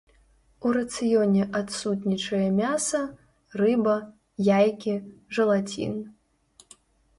У рацыёне адсутнічае мяса, рыба, яйкі, жэлацін.